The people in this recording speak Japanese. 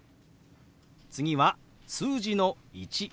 次は数字の「１」。